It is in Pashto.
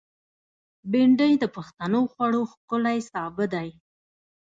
بېنډۍ د پښتنو خوړو ښکلی سابه دی